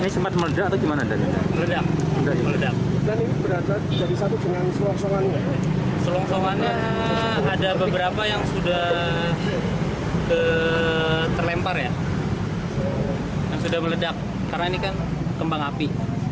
sudah terlempar ya dan sudah meledak karena ini kan kembang api